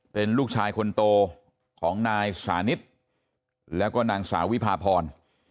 เป็นลูกชายคนโตของนายสานิทแล้วก็นางสาววิพาพร